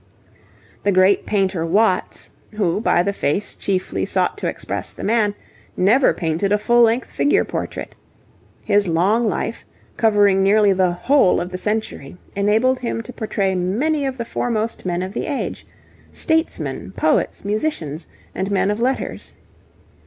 The great painter Watts, who by the face chiefly sought to express the man, never painted a full length figure portrait. His long life, covering nearly the whole of the century, enabled him to portray many of the foremost men of the age statesmen, poets, musicians, and men of letters.